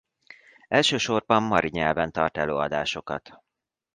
Elsősorban mari nyelven tart előadásokat.